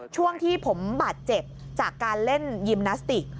ช่วงที่ผมบาดเจ็บจากการเล่นยิมนาสติก